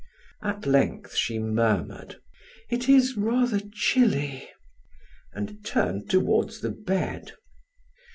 At length she murmured: "It is rather chilly," and turned toward the bed.